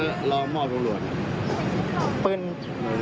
พี่อุ๋ยพ่อจะบอกว่าพ่อจะรับผิดแทนลูก